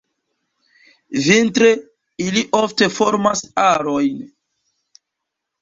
Vintre ili ofte formas arojn.